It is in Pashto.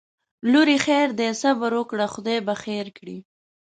لورې خیر دی صبر وکړه خدای به خیر کړي